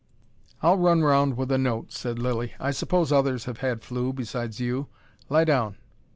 "Ill run round with a note," said Lilly. "I suppose others have had flu, besides you. Lie down!"